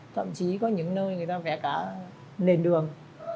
thậm chí có những nơi người ta vẽ cả nền đường